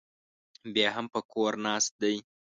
بیا هم په کور ناست دی